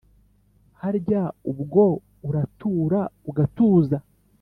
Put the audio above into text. harya ubwo uratura ugatuza